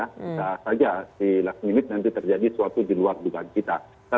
bisa saja di last minute nanti terjadi sesuatu di luar dugaan kita